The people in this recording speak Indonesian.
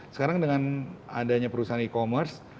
sekarang dengan adanya perusahaan e commerce